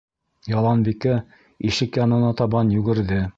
Яланбикә ишек янына табан йүгерҙе: